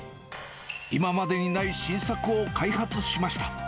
今までにない新作を開発しました。